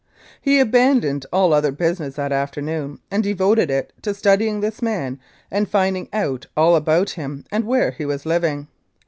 He abandoned all other business that afternoon and devoted it to studying this man and finding out all about him and where he was living.